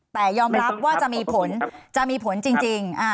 แต่ยอมรับว่าจะมีผลจะมีผลจริง